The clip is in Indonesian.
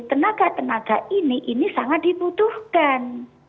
tenaga tenaga ini ini sangat dibutuhkan